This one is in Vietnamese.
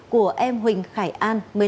của em huỳnh khải an